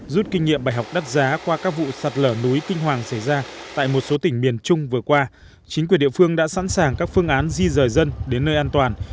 rút kinh nghiệm bài học đắt giá qua các vụ sạt lở núi kinh hoàng xảy ra tại một số tỉnh miền trung vừa qua chính quyền địa phương đã sẵn sàng các phương án di rời dân đến nơi an toàn